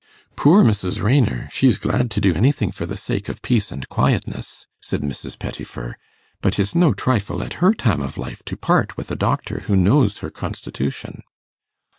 'Poor Mrs. Raynor! she's glad to do anything for the sake of peace and quietness,' said Mrs. Pettifer; 'but it's no trifle at her time of life to part with a doctor who knows her constitution.